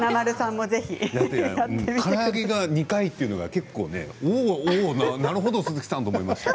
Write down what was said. から揚げが２回というのはおお、鈴木さんと思いましたよ。